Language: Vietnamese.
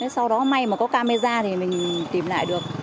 sau đó may mà có camera thì mình tìm lại được